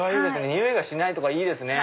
ニオイがしないとかいいですね